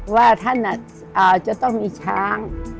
ว่าท่านจะต้องมีช้าง